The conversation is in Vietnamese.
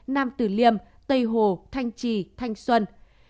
nam tử liêm tây hồ thanh trì thanh xuân